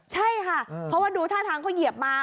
ใช่ค่ะเพราะว่าดูท่าทางเขาเหยียบมา